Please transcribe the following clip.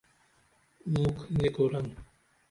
مُک نی کُرن